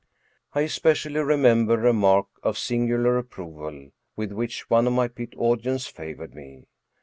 I especially remember a mark of singular approval with which one of my pit audience favored me.